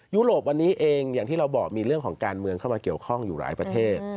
ยุโรปวันนี้เองอย่างที่เราบอกมีเรื่องของการเมืองเข้ามาเกี่ยวข้องอยู่หลายประเทศ